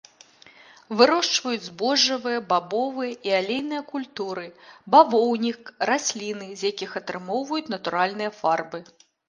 Вырошчваюць збожжавыя, бабовыя і алейныя культуры, бавоўнік, расліны, з якіх атрымоўваюць натуральныя фарбы.